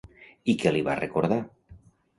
I què li va recordar?